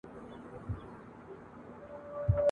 او که دي زړه سو هېرولای می سې ..